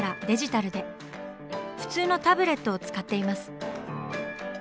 普通のタブレットを使っています。